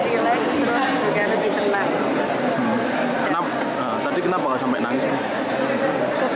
kenapa tadi kenapa gak sampai nangis